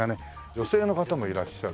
女性の方もいらっしゃる。